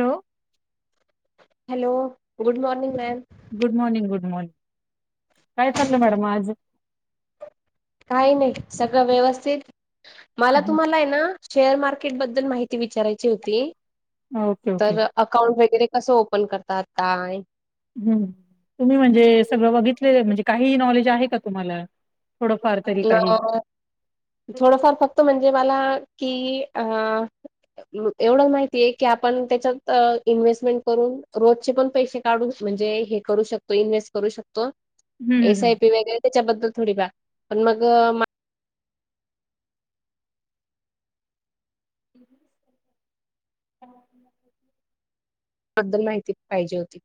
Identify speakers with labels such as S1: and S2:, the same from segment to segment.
S1: Hello
S2: hello good morning ma'am.
S1: Good morning good morning काय चाललं madam आज?
S2: काही नाही सगळं व्यवस्थित. मला तुम्हाला आहे ना, शेअर मार्केट बद्दल माहिती विचारायची होती.
S1: ओके. ओके.
S2: तर अकाउंट वगैरे कसं ओपन करतात? काय?
S1: हम् तुम्ही म्हणजे सगळं बघितलेलं म्हणजे काही नॉलेज आहे का तुम्हाला? थोडंफार तरी
S2: ल
S1: काही
S2: थोडंफार फक्त म्हणजे मला कि अ एवढं माहितीय की आपण त्याच्यात अ इन्व्हेस्टमेंट करून रोजचे पण पैशे काढूस म्हणजे हे करू शकतो इन्व्हेस्ट करू शकतो.
S1: हम्म
S2: एस आय
S1: हम्म.
S2: पी वगैरे त्याच्याबद्दल थोडी द्या पण मग
S1: [unintelligible]
S2: बद्दल माहिती पाहिजे होती.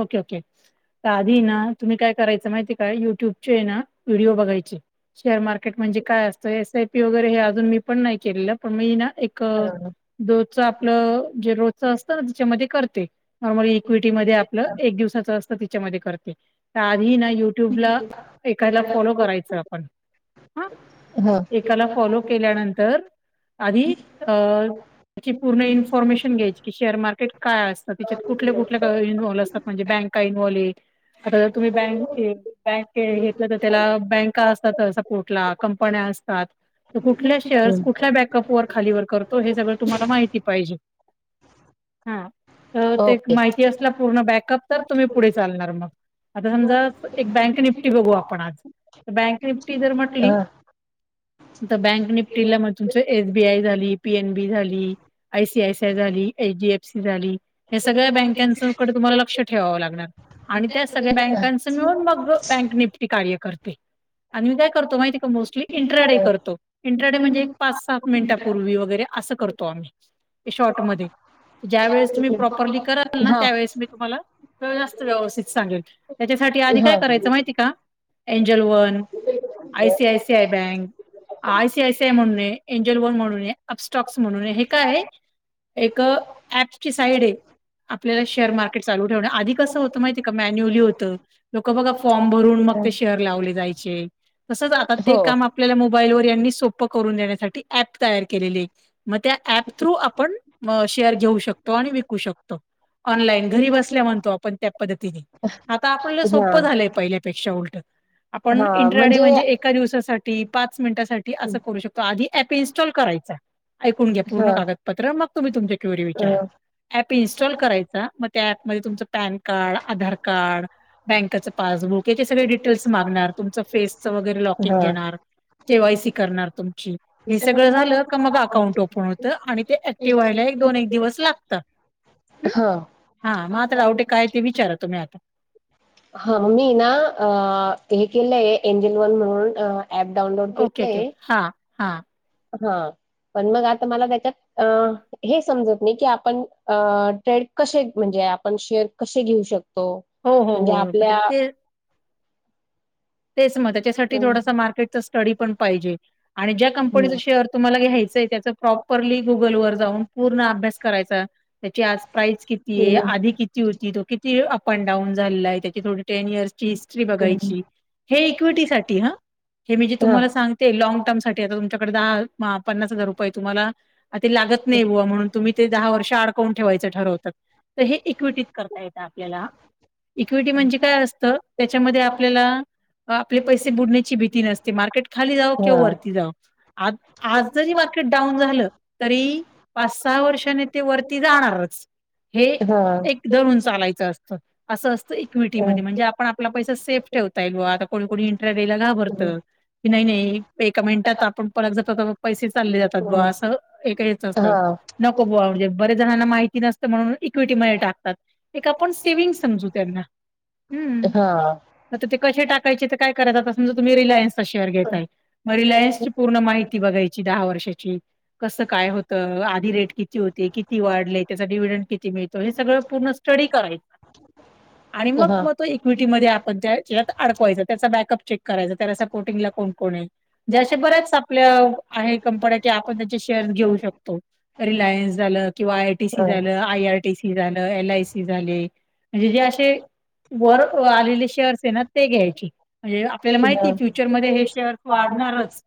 S1: ओके. ओके. तर आधी ना. तुम्ही काय करायचं माहिती काय युट्यूबचे आहे ना व्हिडिओ बघायचे. शेअर मार्केट म्हणजे काय असतं? एस आय पी वगैरे हे अजून मी पण नाही केलेलं पण मी ना एक.
S2: हा
S1: रोजच आपलं जे रोजच असतं ना त्याच्यामध्ये करते नॉर्मल इक्विटी मध्ये व एक दिवसाचं असतो त्याच्यामध्ये करते, त्याआधी ना येऊन. ट्यूबला एखाला फॉलो करायचं आपण. हा
S2: हा
S1: एकाला फॉलो केल्यानंतर आधी अ त्याची पूण इन्फॉर्मेशन घ्यायची की, शेअरामार्केट काय असत. त्याच्यात कुठल्या कुठल्या इनव्हाल खरं म्हणजे बँका इन्व्हॉल्व्ह हे, खरं तुम्ही बँकये. बँक घेतलं तर त्याला बँका असतात, सपोर्टला कंपन्या असतात. तर कुठल्या शेअर्स कुठल्या बॅकअप वर खालीवर करतो, हे सगळं तुम्हाला माहिती पाहिजे. हा तर ते
S2: ओके
S1: माहिती असल्या पूर्ण बॅक तर तुम्ही पुढे चालणार मग. आता समजा एक बँक निफटी बघू आपण आज. बँक निफ्टी जर म्हटली,
S2: ह
S1: बँक निफ्टीला मग तुमच एस बी आय झाली पी एन बी झाली. I C I C I झाली, एच डी एफ सी झाली या सगळ्या बँकांकडे तुम्हाला लक्ष ठेवावं त्या सगळ्या
S2: हा
S1: बँकांचा मिळून मग बँक निफ्टी कार्य करते. आणि मी काय करतो माहिती का? मोस्टली इंट्राडे करतो इंट्राडे म्हणजे एक पाच, सात मिनटापूर्वी वगैरे असं करतो. शॉर्टमध्ये ज्या वेळेस तुम्ही प्रॉपरली कराल ना त्यावेेळेस मी तुम्हाला जास्त व्यवस्थित सांगेल त्याच्यासाठी आधी
S2: हा
S1: काय करायचं माहिती का Angel One? I C I C I bank, I C I C I म्हणूने एनजीओ लोन म्हणूने. अपस्टॉक्स म्हणून हे काय हे? एक ऍप ची साईड आहे आपल्याला शेअर मार्केट चालू आधी कसं होतं माहितीये का? मॅन्युली होतं लोक बघा फॉर्म भरून मग ते शेअर लावले जाय चे तसच आता ते
S2: हो
S1: काम आपल्याला मोबाईल वर सो करून देण्यासाठी ॲप तयार केलेली मग त्या ऍप थ्रू आपण शेअर घेऊ शकतो. आणि विकू शकतो ऑनलाईन घरी बस आपण त्या पद्धतीने आता, आपल्याला
S2: हा
S1: सोपं झालंय पहिल्यापेक्षा उलट. आपण इंट्र डे म्हणजे एका दिवसासाठी, पाच मिनिटासाठी असं करू शक तो आधी ऍप इनस्टॉल करायचा ऐकून घ्या
S2: हा
S1: पूर्ण कागद प्र मग तुम्ही तुमच्या क विचारा
S2: अ,
S1: ॲप इन्स्टॉल करायचा मग त्या पमध्ये तुमच पॅन कार्ड, आधार कार्ड, बँकेच पासबुक याचे सगळे डिटेल्स मागणार. तुमच फेसच वगैरे लॉकिन
S2: हा
S1: घेणार केवायसी करणार तुमची हे सगळं झालं का मग, अकाउंट ओपन होतं आणि ते ऍक्टिव्ह व्हायला एक दोन एक दिवस लागतात.
S2: हा.
S1: हा मग आता डाउट काय ते विचारा तुम्ही आता?
S2: हा मी ना ते हे केलंय एंजल वन म्हणून ॲप डाऊनलोड केलय.
S1: हा.
S2: हा पण मग, आता मला त्याच्यात अ हे समजत नाही की आपण अ ट्रेड कसे म्हणजे आपण शेअर कसे घेऊ शकतो?
S1: हो हो
S2: म्हणजे
S1: हो हो, मग ते
S2: आपल्या
S1: पेर तेच मग त्याच्यासाठी थोडासा मार्केटचा स्टडी पण पाहिजे आणि ज्या कंपनीच
S2: हम्म.
S1: शेअर तुम्हाला घ्यायचंय त्याच प्रॉपरली गुगल वर जाऊन
S2: हां.
S1: पूर्ण अभ्यास करायचा त्याची आज प्राइस किती आहे?
S2: हां.
S1: आधी किती होती तो किती अप अँड डाऊन झालेला आहे, त्याची थोडी टेन इयर्सची हिस्ट्री बघायची. हे इक्विटीसाठी हा. हे मी जे
S2: हां. हां.
S1: तुम्हाला
S2: हां.
S1: सांगते
S2: हां.
S1: लाँग टर्मसाठी आता तुमच्याकडे दहा महा पन्नास हजार रुपये तुम्हांला. ते लागत नाही बुवा, म्हणून तुम्ही ते दहा वर्ष अडकवून ठेवायचं ठरवतात तर हे इक्विटीत करता येतं आपल्याला. इक्विटी म्हणजे काय असतं, त्याच्यामध्ये आपल्याला आपले पैसे बुडण्याची भीती नसते, मार्केट खाली जाव किंवा वरती जाव आप आज जरी मार्केट डाऊन झालं, तरी पाच सहा वर्षाने ते वरती जाणारच. हे एक धरून चालायचं असतं. असं असतं इक्विटीमध्ये म्हणजे आपण आपला पैसा सेफ ठेवता येईल बुवा. आता कोणी कोणी [unintelligible] ला घाबरतं. की नाही नाही. एका मिनिटात आपण परत जातो तवा पैसे चालले जातात बुवा असं एक हेच असतं. नको बुवा म्हणजे बरेच जणांना माहिती नसते म्हणून इक्विटीमध्ये टाकतात. एक आपण सेविंग समजू त्यांना. हम्म आता ते कसे टाक टाकायचे तर काय करायच आता, समजा तुम्ही रिलायन्सचा शेअर घेताय, मग रिलायन्सची पूर्ण माहिती बघायची दहा वर्षाची. कसं काय होतं, आधी रेट किती होते, किती वाढले, त्याचा डीव्हीडंट किती मिळतो हे सगळं पूर्ण स्टडी करायचं.
S2: [inaudible]
S1: आणि मग
S2: हां.
S1: मग तो इक्विटीमध्ये आपण त्यात अड [unintelligible] त्याचा बॅकअप चेक करायचं, त्याला सपोर्टिंगला कोण कोण आहे. जे अशा बऱ्याच आपल्या आहे कंपन्या त्या आपण त्यांची शेअर्स घेऊ शकतो. रिलायन्स झालं किंवा आयटीसी झालं, आयआय टिसी झालं, एल आय सी झाले म्हणजे जे असे वर आलेले शेअर्स आहे ना ते घ्यायची, म्हणजे आपल्याला माहिती फ्युचरमध्ये हे शेअर वाढणारच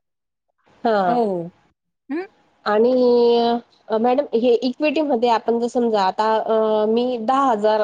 S2: हा
S1: हो हम्म
S2: आणि. अं मॅडम हे इक्विटीमध्ये आपण जर समजा आता अ मी दहा हजार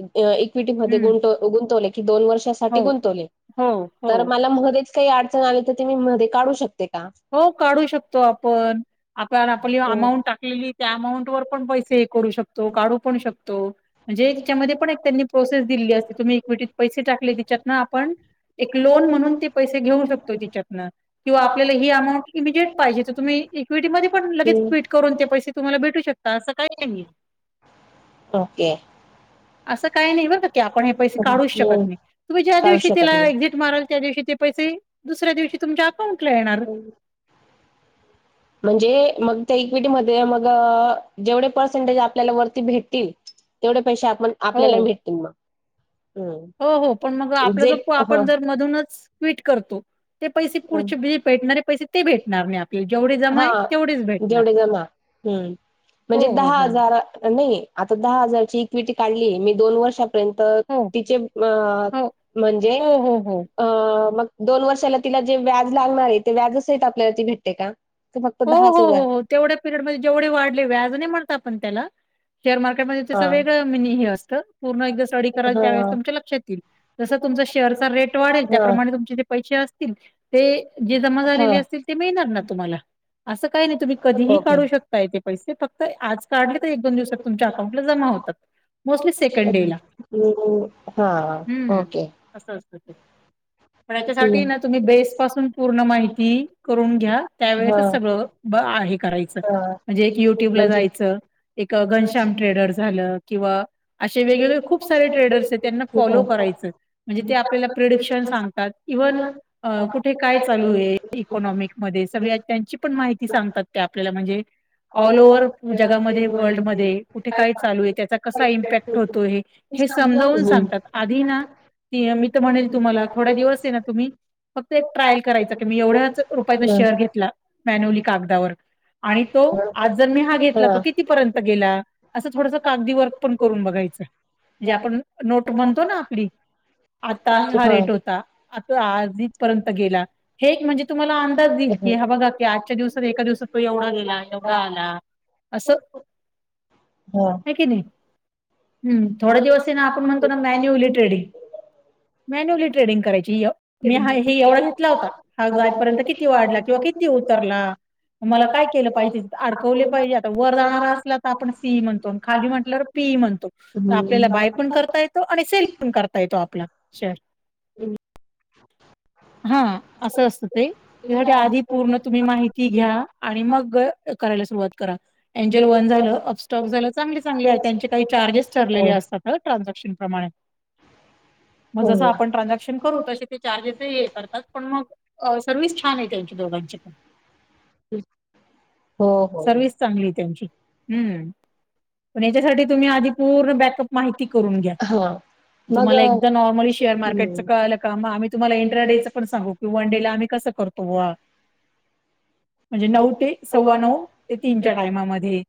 S2: अं इक्विटीमध्ये
S1: हम्म
S2: गुंत-गुंतवले की दोन वर्ष अस साठी
S1: हो
S2: गुंतवले,
S1: हो हो.
S2: तर मला मध्येच काही अडचण आली तर ते मी मध्ये काढू शकते का?
S1: हो काढू शकतो आपण. आपण आपली अमाऊंट टाकलेली त्या अमाऊंटवर पण पैसे हे करू शकतो, काढू पण शकतो. म्हणजे तिच्यामध्ये पण एक त्यांनी प्रोसेस दिली असते, तुम्ही इक्विटीत पैसे टाकले तिच्यात ना आपण. एक लोन म्हणून ते पैसे घेऊ शकतो तिच्यातन किंवा आपल्याले ती अमाऊंट इमिजेट पाहिजे तर तुम्ही मध्ये पण लगेच फिट करून ते पैसे तुम्हाला भेटू शकत, असं काही नाही.
S2: ओके.
S1: असं काही नाही बर का, की आपण हे पैसे काढूच शकत
S2: ओके.
S1: नाही. तुम्ही ज्या
S2: काढू
S1: दिवशी
S2: शक
S1: तिला एक्झिट माराल त्या दिवशी ते पैसे, दुसऱ्या दिवशी तुमच्या अकाउंटला येणार.
S2: म्हणजे मग त्या इक्विटीमध्ये आम्हाला मग जेवढे पर्सेंटेज आपल्याला वरती भेटतील. तेवढे पैसे आपण, आपल्याला
S1: हो.
S2: भेटतील मग. हम्म
S1: हो हो, पण मग आपलं
S2: जे
S1: जर
S2: हा
S1: आपण जर मधूनच क्विट करतो. ते पैसे पुढचेे भेटणारे पैसे ते भेटणार नाही आप
S2: हा जेवढे जमा हम्म
S1: हो
S2: म्हणजे
S1: हो
S2: दहा
S1: हो
S2: हजार नाही आता दहा हजारची इक्विटी काढलीय. मी दोन वर्षात पर्यंत तिचे अ
S1: हो हो
S2: म्हणजे
S1: हो हो हो
S2: अ मग दोन वर्षाला तिला जे व्याज लागणार आहे, ते व्याजसहित आपल्याला ती भेटते का? ते फक्त
S1: हो
S2: दहाच
S1: हो
S2: हजार
S1: हो हो. तेवढ्या पिरियडमध्ये जेवढे वाढले व्याज नाही म्हणत आपण त्याला. शेअर मार्केटमध्ये
S2: हा
S1: त्याचं वेगळं मिनी हे असतं, पूर्ण एकदा स्टडी कराल त्यावेळेस
S2: हा
S1: तुमच्या लक्षात येईल. जस तुमचा शेअरचा रेट वाढेल,
S2: हा
S1: त्याप्रमाणे तुमचे जे पैसे असतील ते जे जमा
S2: हा
S1: झालेले असतील. ते मिळणार ना तुम्हाला, असं काय नाही तुम्ही कधीही
S2: ओके.
S1: काढू शकताय ते पैसे फ आज काढले तर एक दोन दिवसात तुमच्या अकाउंटला जमा होतात. मोस्टली सेकंड डे ला
S2: हा
S1: हम्म
S2: ओके.
S1: असं असतं ते. पण याच्यासाठी ना
S2: हम्म
S1: तुम्ही बेस पासून पूर्ण माहिती करून घ्या त्यावेळेस
S2: हा
S1: असंच सगळं आहे करायचं
S2: हा
S1: म्हणजे एक युट्युब ला
S2: म्हणजे
S1: जायचं. एक घनश्याम ट्रेडर झालं किंवा असे वेगवेगळे
S2: हम्म
S1: खूप सारे ट्रेडर्स आहे त्यांना फॉलो
S2: हम्म.
S1: करायचं. म्हणजे ते आपल्याला प्रिडिक्शन सांगतात. इव्हन अं कुठे काय चालू आहे इकॉनॉमिकमध्ये सगळ्यात ची पण माहिती सांगतात ते आपल्याला म्हणजे ऑल ओव्हर जगामध्ये वर्ल्डमध्ये, कुठे काय चालू आहे त्याचा कसा इम्पॅक्ट होतोय. हे
S2: हा हा हा. हा.
S1: समजावून
S2: हम्म.
S1: सांगतात आधी ना, त मी तर म्हणेल तुम्हाला. थोड्या दिवस आहे ना तुम्ही फक्त एक ट्रायल करायचं की मी, एवढ्याच रुपयाचा शेअर घेतला मॅन्युअली कागदावर. आणि तो आज जर मी हा घेतला, तो कितीपर्यंत गेला असं थोडंसं कागदीवर. ण करून बघायच, जे म्हणजे आपण नोट म्हणतो ना आपली. आता हा रेट होता, आता आधी पर्यंत गेला, हे एक म्हणजे तुम्हाला अंदाज येईल की हे बघा. की आजच्या दिवसात एका दिवसात तू एवढा गेला, एवढा आला असं.
S2: होय.
S1: ह थोड्या दिवस ना आपण म्हणतो ना मॅन्युअली ट्रेडिंग, मॅन्युअली ट्रेडिंग करायची य मी हा हे एवढा घेतला होता, हा जाईपर्यंत किती वाढला किंवा किती उतरला? मला काय केलं पाहिजे? तेच्यात अडकवले पाहिजे आता वर जाणारा असला तर आपण सी म्हणतो खाली म्हटलंवर. पीइ म्हणतो आपल्याला बाय पण करता येतो आणि सेल पण करता येतो आपला शेअर.
S2: विवले
S1: हा असं असत ते, तेच्यासाठी आधी. पूर्ण तुम्ही माहिती घ्या, आणि मग करायला सुरुवात करा. एंजेल वन झालं, अफस्टॉक झालं चांगले चांगले आहे, त्यांचे काही चार्जेस ठरलेले असतात ट्रान्झॅक्शन प्रमाणे.
S2: [inaudible]
S1: मग जसं आपण ट्रान्झॅक्शन करू तसे ते चार्जेसही हे करतात पण मग सर्विस छान आहे त्यांची. दोघांचे पण,
S2: हो हो
S1: सर्विस चांगली होती आमची. हम्म, पण याच्यासाठी तुम्ही आधी पूर्ण बॅकअप माहिती करून घ्या.
S2: [unintelligible]
S1: तुम्हाला एकदा नॉर्मली शेअर मार्केटच
S2: हम्म
S1: कळलं का, मग आम्ही तुम्हाला इंट्राडेच पण सांगु. की वन डेला आम्ही कसं करतो. [unintelligible] म्हणजे नऊ ते सव्वा नऊ ते तीनच्या टायमामध्ये.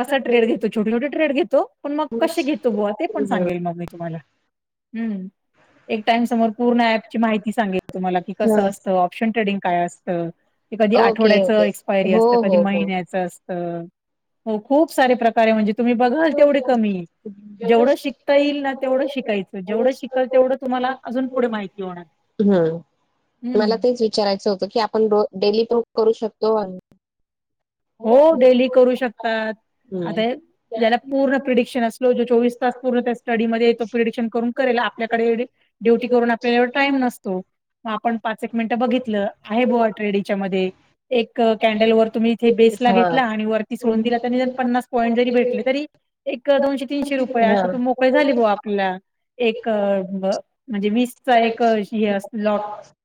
S1: कसा ट्रेड घेतो छोटे छोटे ट्रेड घेतो, पण मग कसे घेतो बुवा ते पण सांगेल मग मी तुम्हाला.
S2: [inaudible]
S1: हम्म. एक टाइम समोर पूर्ण ऍपची माहिती सांगेल तुम्हाला की
S2: हा.
S1: कसं असतं. शन ट्रेडिंग काय असतं, ते कधी
S2: ओके
S1: आठवड्याच
S2: ओके
S1: एक्सपायरी
S2: हो
S1: असतं, कधी
S2: हो हो.
S1: महिन्याचं अस तर हो खूप सारे प्रकार आहे म्हणजे तुम्ही बघाल तेवढे कमी आहे. जेवढं शिकता येईल ना तेवढं शिकायचं. जेवढं शिकाल तेवढं तुम्हाला अजून पुढे माहिती होणार.
S2: हम्म.
S1: हम्म.
S2: मला तेच विचारायचं होतं, की आपण डेली [unintelligible] करू शकतो आणि
S1: हो डेली करू शकतात. आता याला पूर्ण प्रिडिक्शन असलो जो चोवीस तास पूर्ण त्या स्टडी मध्ये तो प्रिडिक्शन करून करेला आपल्याकडे ड्युटी करून आपल्याला एवढा टाईम नसतो. म आपण पाच एक मिनटं बघितलं आहे बोआ ट्रेडीच्या मध्ये एक कॅन्डल वर तुम्ही ते
S2: हम्म
S1: बेसला
S2: हा
S1: घेतला आणि वरती सोडून दिला त्यांनी जर पन्नास पॉईंट जरी भेटले तरी ए क दोनशे-तीनशे रुपये
S2: हा.
S1: असं तू मोकळे झाली हो आपल्याला. एक अ.. व म्हणजे वीसचा एक असं लॉट.
S2: [unintelligible]